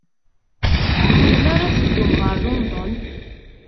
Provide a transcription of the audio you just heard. Melmi ara teddum ɣer London?